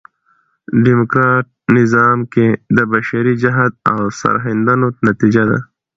ډيموکراټ نظام کښي د بشري جهد او سرښندنو نتیجه ده.